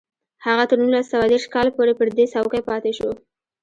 هغه تر نولس سوه دېرش کال پورې پر دې څوکۍ پاتې شو